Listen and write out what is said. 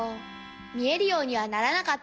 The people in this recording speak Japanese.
みえるようにはならなかったんだ。